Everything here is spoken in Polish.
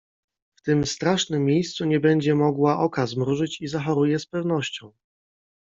W tym strasznym miejscu nie będzie mogła oka zmrużyć i zachoruje z pewnością.